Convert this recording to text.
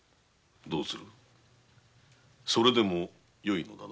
どうするそれでもよいのだな？